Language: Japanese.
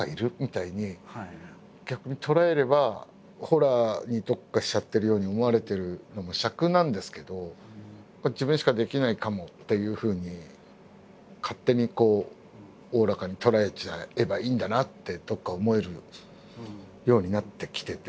ホラーに特化しちゃってるように思われてるのもしゃくなんですけど自分しかできないかもっていうふうに勝手にこうおおらかに捉えちゃえばいいんだなってどこか思えるようになってきてて。